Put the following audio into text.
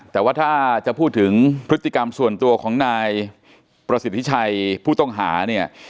แต่ว่าถ้าจะพูดถึงพฤติกรรมส่วนตัวของนายประสิทธิชัยผู้ต้องหาเนี่ย